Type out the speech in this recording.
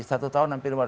satu tahun hampir dua